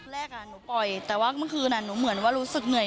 แรกหนูปล่อยแต่ว่าเมื่อคืนหนูเหมือนว่ารู้สึกเหนื่อย